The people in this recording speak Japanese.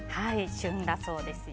旬だそうですよ。